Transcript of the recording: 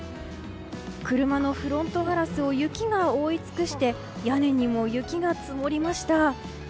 車のフロントガラスを雪が覆い尽くして屋根にも雪が積もりました。